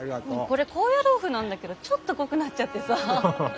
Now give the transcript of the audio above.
これ高野豆腐なんだけどちょっと濃くなっちゃってさ。